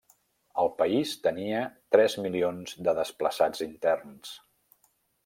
El país tenia tres milions de desplaçats interns.